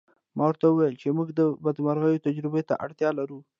ما ورته وویل چې موږ د بدمرغیو تجربې ته اړتیا لرو